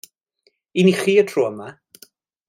Un i chi y tro yma.